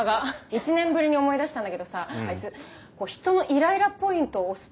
１年ぶりに思い出したんだけどさあいつ人のイライラポイントを押す天才だわ。